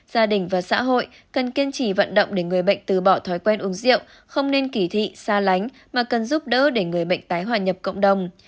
gia đình và xã hội cần kiên trì vận động để người bệnh từ bỏ thói quen uống rượu không nên kỳ thị xa lánh mà cần giúp đỡ để người bệnh tái hòa nhập cộng đồng